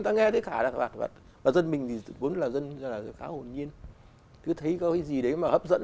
người ta nghe